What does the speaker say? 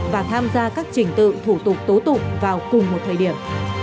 và tham gia các trình tự thủ tục tố tụng vào cùng một thời điểm